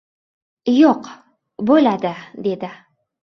— Yo‘q, bo‘ladi, dedi.